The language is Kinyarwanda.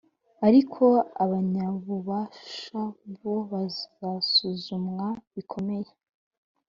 ariko abanyabubasha bo bazasuzumwa bikomeye.